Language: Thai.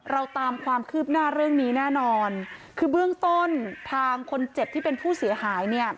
เราตามความคืบหน้าเรื่องนี้แน่นอนคือเบื้องต้นทางคนเจ็บที่เป็นผู้เสียหายเนี่ย